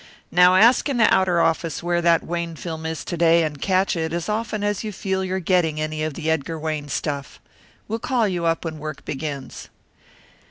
"Now ask in the outer office where that Wayne film is to day and catch it as often as you feel you're getting any of the Edgar Wayne stuff. We'll call you up when work begins."